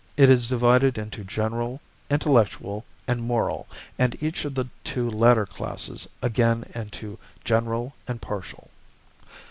It is divided into general, intellectual, and moral, and each of the two latter classes again into general and partial.